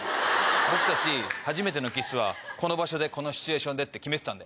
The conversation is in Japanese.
僕たち初めてのキスはこの場所このシチュエーションでって決めてたんで。